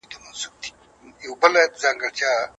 د ټوکې کوونکي طلاق په څه شي ثابت دی؟